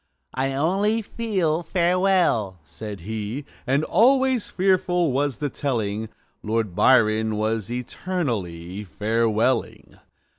"I only feel farewell!" said he; And always fearful was the telling Lord Byron was eternally Farewelling.